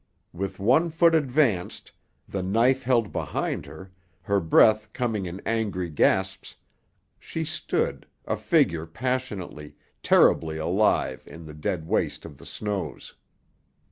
With one foot advanced, the knife held behind her, her breath coming in angry gasps, she stood, a figure passionately, terribly alive in the dead waste of the snows.